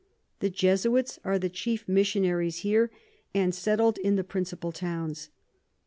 The Jesuits are the chief Missionaries here, and settled in the principal Towns.